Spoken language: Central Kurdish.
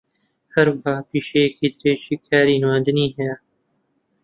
ھەروەھا پیشەیەکی درێژی کاری نواندنی ھەیە